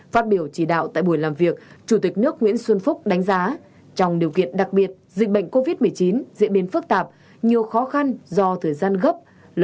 phát biểu chỉ đạo tại buổi làm việc chủ tịch nước nguyễn xuân phúc đánh giá trong điều kiện đặc biệt dịch bệnh covid một mươi chín diễn biến phức tạp nhiều khó khăn do thời gian gấp